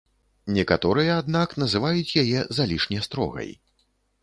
Некаторыя, аднак, называюць яе залішне строгай.